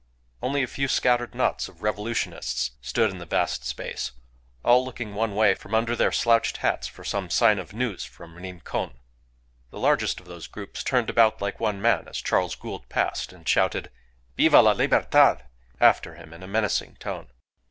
Only a few scattered knots of revolutionists stood in the vast space, all looking one way from under their slouched hats for some sign of news from Rincon. The largest of those groups turned about like one man as Charles Gould passed, and shouted, "Viva la libertad!" after him in a menacing tone.